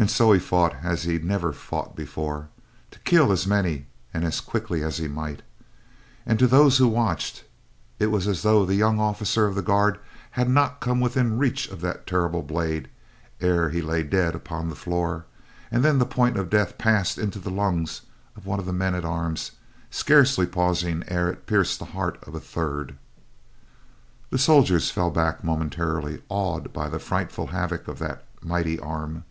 And so he fought as he never fought before, to kill as many and as quickly as he might. And to those who watched, it was as though the young officer of the Guard had not come within reach of that terrible blade ere he lay dead upon the floor, and then the point of death passed into the lungs of one of the men at arms, scarcely pausing ere it pierced the heart of a third. The soldiers fell back momentarily, awed by the frightful havoc of that mighty arm.